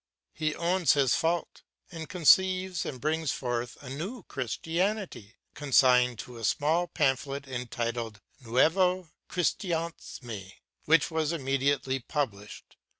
He owns his fault, and conceives and brings forth a new Christianity, consigned to a small pamphlet entitled 'Nouveau Christianisme,' which was immediately published.